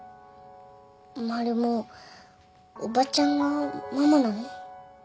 マルモおばちゃんがママなの？